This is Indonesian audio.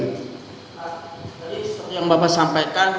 pak tadi seperti yang bapak sampaikan